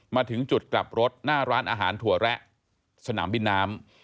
มาถึงจุดกลับรถหน้าร้านอาหารถั่วแระสนามบินน้ำ